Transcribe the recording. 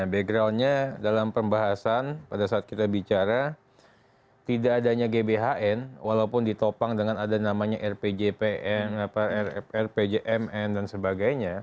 backgroundnya dalam pembahasan pada saat kita bicara tidak adanya gbhn walaupun ditopang dengan ada namanya rpjpm rpjmn dan sebagainya